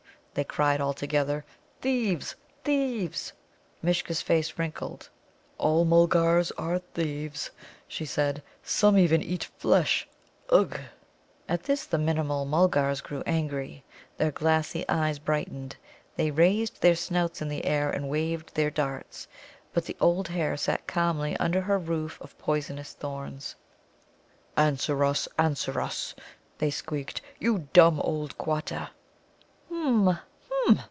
they cried all together "thieves, thieves!" Mishcha's face wrinkled. "All Mulgars are thieves," she said; "some even eat flesh. Ugh!" At this the Minimul mulgars grew angry, their glassy eyes brightened. They raised their snouts in the air and waved their darts. But the old hare sat calmly under her roof of poisonous thorns. "Answer us, answer us," they squeaked, "you dumb old Quatta!" "H'm, h'm!"